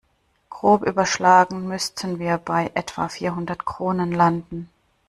Grob überschlagen müssten wir bei etwa vierhundert Kronen landen.